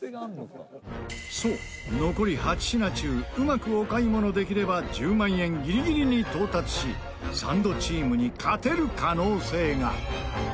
そう残り８品中うまくお買い物できれば１０万円ギリギリに到達しサンドチームに勝てる可能性が。